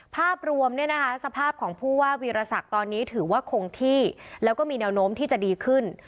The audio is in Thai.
ภาพรวมสภาพของผู้ว่าวีรศักดิ์ตอนนี้ถือว่าคงที่แล้วก็มีแนวโน้มที่จะดีขึ้น